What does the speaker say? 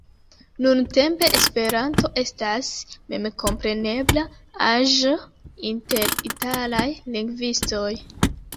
Nuntempe Esperanto estas memkomprenebla aĵo inter italaj lingvistoj.